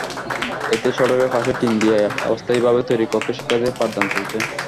এতে সড়কের পাশে টিন দিয়ে অস্থায়ীভাবে তৈরি কক্ষে শিক্ষার্থীদের পাঠদান চলছে।